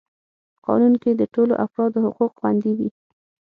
قانون کي د ټولو افرادو حقوق خوندي وي.